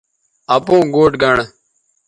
اپوں گوٹھ گنڑ